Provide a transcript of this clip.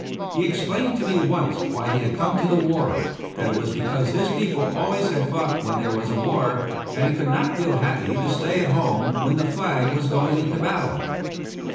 He explained to me once why he had come to the war ; that it was because his peo ple always had fought when there was a war, and he could not feel happy to stay at home when the flag was going into battle.